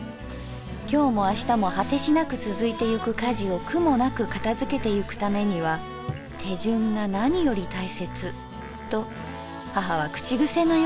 今日も明日も果しなくつづいてゆく家事を苦もなく片づけてゆくためには手順が何より大切と母は口癖のように言っていた」。